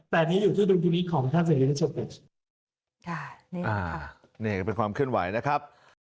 แต่นี้อยู่ที่ตรงที่นี้ของท่านเศรษฐ์วิทยาลัยศัพท์